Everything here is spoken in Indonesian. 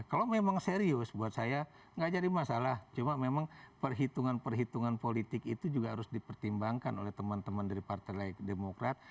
kalau memang serius buat saya nggak jadi masalah cuma memang perhitungan perhitungan politik itu juga harus dipertimbangkan oleh teman teman dari partai demokrat